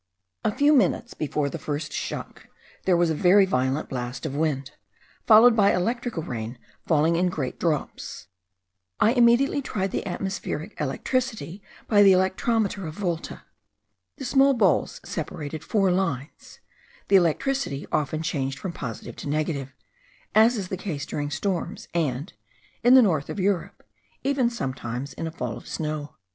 A few minutes before the first shock there was a very violent blast of wind, followed by electrical rain falling in great drops. I immediately tried the atmospherical electricity by the electrometer of Volta. The small balls separated four lines; the electricity often changed from positive to negative, as is the case during storms, and, in the north of Europe, even sometimes in a fall of snow.